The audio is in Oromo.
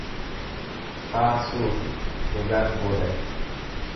Faarsuufi dhugaan boodatti.